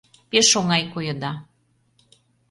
Пеш оҥай койыда!